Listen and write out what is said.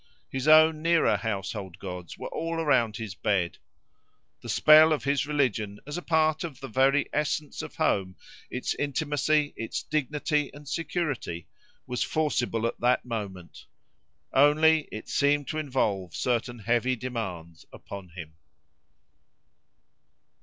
His own nearer household gods were all around his bed. The spell of his religion as a part of the very essence of home, its intimacy, its dignity and security, was forcible at that moment; only, it seemed to involve certain heavy demands upon him.